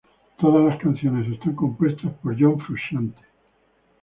Todas las canciones están compuestas por John Frusciante